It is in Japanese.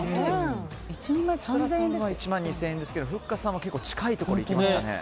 設楽さんは１万２０００円ですがふっかさんは結構近いところにいきましたね。